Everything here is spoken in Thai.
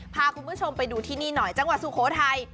พาคุณผู้ชมไปดูที่นี่หน่อยจังหวัดสุโขทัย